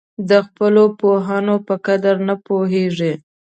د خپلو پوهانو په قدر نه پوهېږي.